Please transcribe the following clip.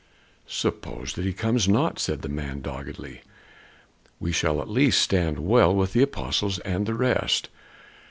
"Suppose he comes not?" said the man doggedly. "We shall at least stand well with the apostles and the rest.